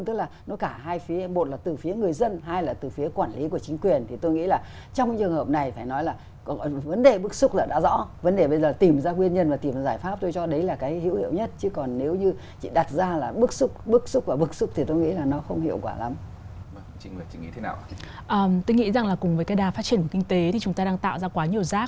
tôi nghĩ rằng là cùng với cái đà phát triển của kinh tế thì chúng ta đang tạo ra quá nhiều rác